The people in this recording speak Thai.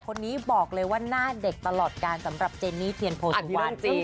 คนนี้บอกเลยว่าหน้าเด็กตลอดการสำหรับเจนนี่เทียนโพสุวานจริง